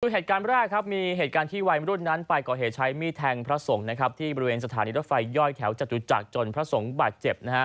ด้วยเหตุการณ์ปรากฏครับเหตุการณ์ที่วัยวะรุ่นนั้นไปก่อเหตุใช้มี้แทงพระสมที่บริเวณสถานีรถไฟย่อยแถวจัดจุจักรจนพระสมบาดเจ็บ